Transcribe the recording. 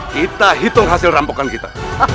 kita hitung hasil rampokan kita